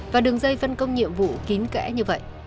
và đường dây phân công nhiệm vụ kín kẽ như vậy